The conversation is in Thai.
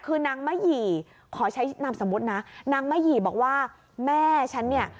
คือนางมะหยี่ขอใช้นามสมมุตินะนางมะหยี่บอกว่าแม่ฉันเนี่ย